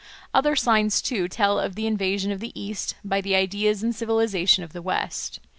Other signs, too, tell of the invasion of the East by the ideas and civilisation of the West.